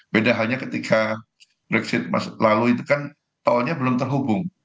beda halnya ketika brexit lalu itu kan tolnya belum terhubung